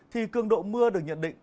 thì cương độ mưa được nhận định